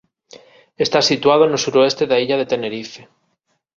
Está situado no suroeste da illa de Tenerife.